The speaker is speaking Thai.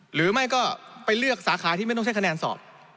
หรือไม่ก็ไปเลือกสาขาที่ไม่ต้องใช้คะแนนสอบ